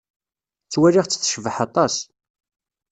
Ttwaliɣ-tt tecbeḥ aṭas.